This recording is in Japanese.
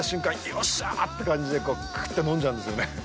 よっしゃーって感じでクーっと飲んじゃうんですよね。